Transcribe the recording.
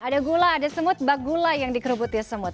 ada gula ada semut bak gula yang dikeruput di semut